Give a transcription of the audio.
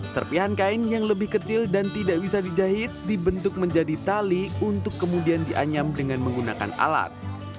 serpihan kain yang lebih kecil dan tidak bisa dijahit dibentuk menjadi tali untuk kemudian dianyam dengan menggunakan alat